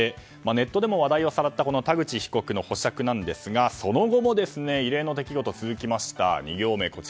ネットでも話題をさらった田口被告の保釈なんですがその後も異例の出来事が続きました。